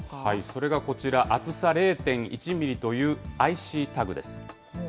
それがこちら、厚さ０．１ミリという、ＩＣタグです。